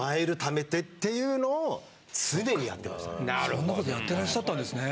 そんなことやってらしゃったんですね。